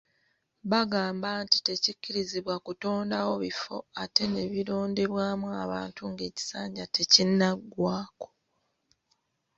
Bagamba nti tekikkirizibwa kutondawo bifo ate nebirondebwamu abantu ng'ekisanja tekinnagwako.